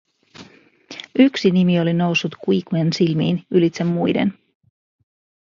Yksi nimi oli noussut Quiquen silmiin ylitse muiden: